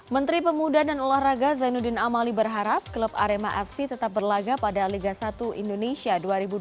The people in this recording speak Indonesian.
menteri pemuda dan olahraga zainuddin amali berharap klub arema fc tetap berlagak pada liga satu indonesia dua ribu dua puluh dua dua ribu dua puluh tiga